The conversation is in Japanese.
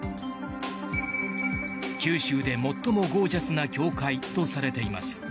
九州で最もゴージャスな教会とされています。